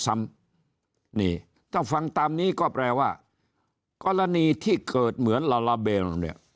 ถ้าฟังตามนี้ก็แปลว่ากรณีที่เกิดเหมือนละเมิด